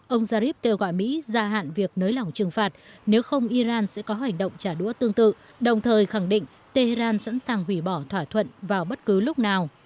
ông zarif kêu gọi mỹ gia hạn việc nới lỏng trừng phạt nếu không iran sẽ có hành động trả đũa tương tự đồng thời khẳng định tehran sẵn sàng hủy bỏ thỏa thuận vào bất cứ lúc nào